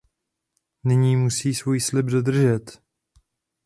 Nyní musí svůj slib dodržet.